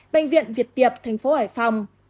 bệnh viện việt tiệp tp hải phòng